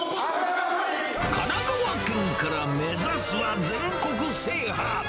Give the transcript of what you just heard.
神奈川県から目指すは全国制覇。